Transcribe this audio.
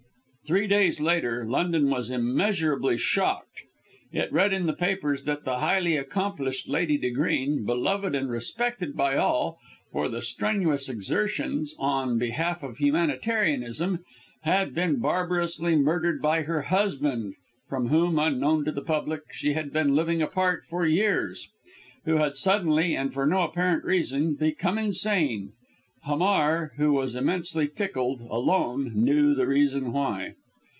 Three days later, London was immeasurably shocked. It read in the papers that the highly accomplished Lady De Greene, beloved and respected by all, for the strenuous exertions on behalf of humanitarianism, had been barbarously murdered by her husband (from whom unknown to the public she had been living apart for years), who had suddenly, and, for no apparent reason, become insane. Hamar, who was immensely tickled, alone knew the reason why.